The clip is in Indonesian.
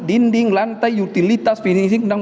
dinding lantai utilitas finishing